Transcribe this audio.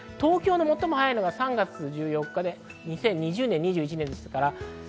東京の最も早いのが３月１４日で２０２０年、２１年です。